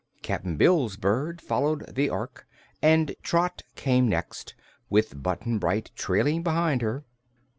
Cap'n Bill's bird followed the Ork, and Trot came next, with Button Bright trailing behind her.